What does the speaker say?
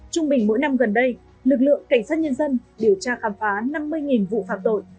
trung bình mỗi năm gần đây lực lượng cảnh sát nhân dân điều tra khám phá năm mươi vụ phạm tội